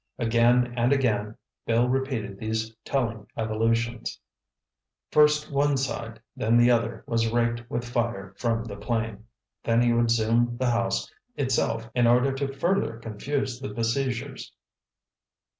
Again and again Bill repeated these telling evolutions. First one side, then the other was raked with fire from the plane. Then he would zoom the house itself in order to further confuse the besiegers.